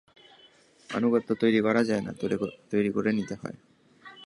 আনুগত্য তৈরি করা যায় না, তৈরি করে নিতে হয়।